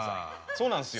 そうなんですよ。